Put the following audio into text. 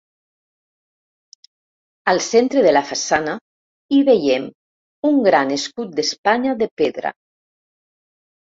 Al centre de la façana hi veiem un gran escut d'Espanya de pedra.